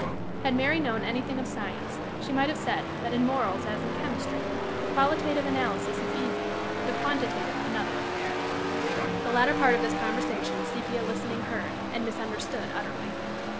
Had Mary known anything of science, she might have said that, in morals as in chemistry, the qualitative analysis is easy, but the quantitative another affair. The latter part of this conversation, Sepia listening heard, and misunderstood utterly.